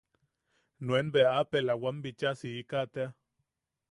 Nuen bea apela wam bicha siika tea.